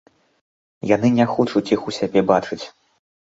Яны не хочуць іх у сябе бачыць.